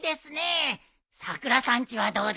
さくらさんちはどうですか？